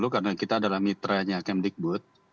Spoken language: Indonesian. karena kita adalah mitra nya kemdikbud